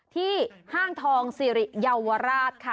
ที่ห้างทองซีริยาวราชค่ะ